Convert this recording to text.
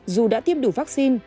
dù đã tiêm đủ vaccine